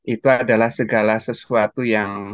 itu adalah segala sesuatu yang